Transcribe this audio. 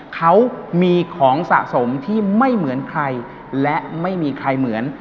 เขามีของสะสมที่ไม่เหมือนใครและไม่มีใครเหมือน